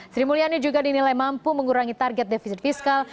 sri mulyani juga dinilai mampu mengurangi target defisit fiskal